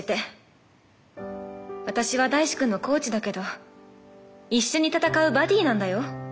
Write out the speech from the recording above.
私は大志くんのコーチだけど一緒に戦うバディなんだよ。